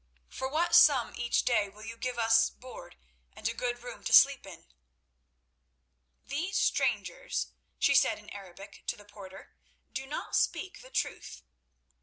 "For what sum each day will you give us board and a good room to sleep in?" "These strangers," she said in Arabic to the porter, "do not speak the truth."